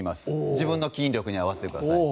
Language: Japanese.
自分の筋力に合わせてください。